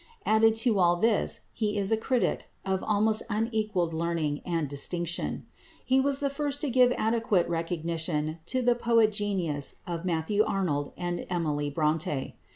Added to all this, he is a critic of almost unequalled learning and distinction. He was the first to give adequate recognition to the poetic genius of Matthew Arnold and Emily Brontë.